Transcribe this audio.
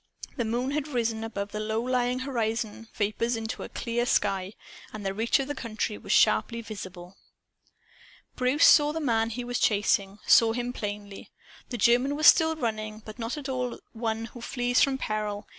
The moon had risen above the low lying horizon vapors into a clear sky, and the reach of country was sharply visible. Bruce saw the man he was chasing, saw him plainly. The German was still running, but not at all as one who flees from peril.